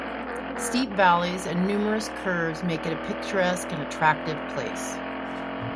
Steep valleys and numerous curves make it a picturesque and attractive place.